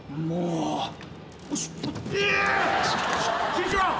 師匠。